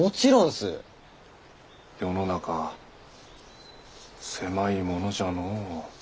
世の中狭いものじゃのう。